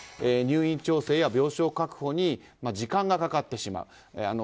入院調整や病床確保に時間がかかってしまう。